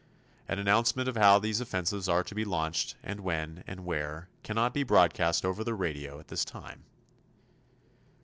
An announcement of how these offensives are to be launched, and when, and where, cannot be broadcast over the radio at this time.